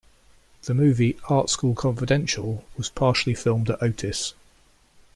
The movie "Art School Confidential" was partially filmed at Otis.